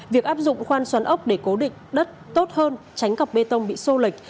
việc áp dụng khoan xoắn ốc để cố định đất tốt hơn tránh cặp bê tông bị sô lệch